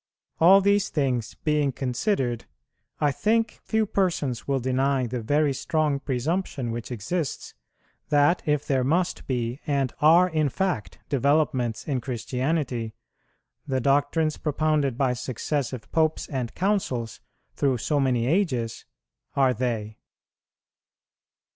All these things being considered, I think few persons will deny the very strong presumption which exists, that, if there must be and are in fact developments in Christianity, the doctrines propounded by successive Popes and Councils, through so many ages, are they.